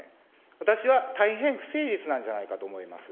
私は大変不誠実なんじゃないかと思います。